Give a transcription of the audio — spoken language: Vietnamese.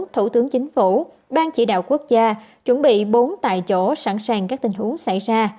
thủ tướng chính phủ ban chỉ đạo quốc gia chuẩn bị bốn tại chỗ sẵn sàng các tình huống xảy ra